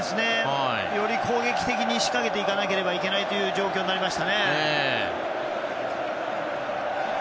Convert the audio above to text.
より攻撃的に仕掛けていかなければいけないという状況になりましたよね。